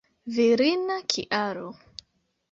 Virina kialo.